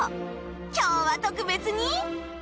今日は特別に